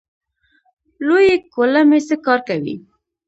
لویې کولمې څه کار کوي؟